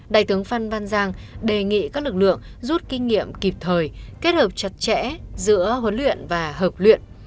đại tướng phan văn giang đề nghị các lực lượng rút kinh nghiệm kịp thời kết hợp chặt chẽ giữa huấn luyện và hợp luyện